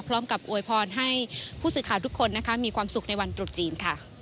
พร้อมกับโวยพรให้ผู้สืบขาวทุกคนมีความสุขในวันตรุษจีน